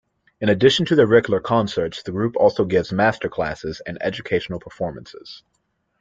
In addition to their regular concerts, the group also gives masterclasses and educational performances.